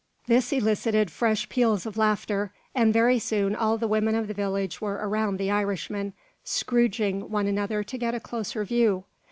This elicited fresh peals of laughter, and very soon all the women of the village were around the Irishman, "scroodging" one another to get a closer view.